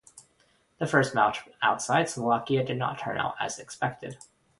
The first match outside Slovakia did not turn out as expected.